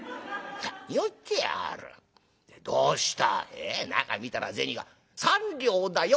「ええ中見たら銭が三両だよ